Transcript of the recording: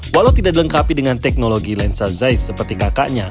walau tidak dilengkapi dengan teknologi lensa zaiz seperti kakaknya